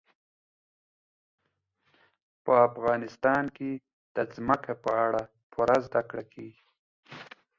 په افغانستان کې د ځمکه په اړه پوره زده کړه کېږي.